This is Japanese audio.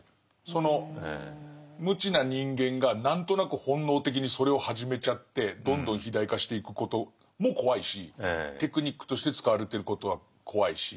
その無知な人間が何となく本能的にそれを始めちゃってどんどん肥大化していくことも怖いしテクニックとして使われてることは怖いし。